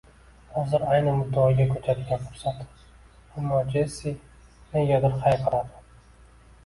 Hozir ayni muddaoga ko`chadigan fursat, ammo Jessi negadir hayiqardi